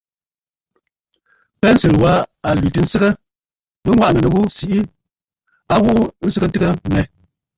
Pensə̀lə̀ wa a lwìtə̀ ǹsɨgə, bɨ ŋwàʼànə̀ nɨ ghu siʼi a ghuʼu nsɨgə ntɨgə mmɛ.